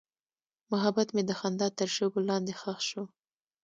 محبت مې د خندا تر شګو لاندې ښخ شو.